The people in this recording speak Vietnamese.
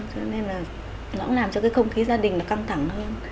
cho nên là nó cũng làm cho cái không khí gia đình nó căng thẳng hơn